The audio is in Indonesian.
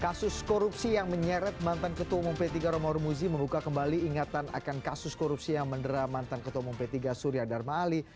kasus korupsi yang menyeret mantan ketua umum p tiga romahur muzi membuka kembali ingatan akan kasus korupsi yang mendera mantan ketua umum p tiga surya dharma ali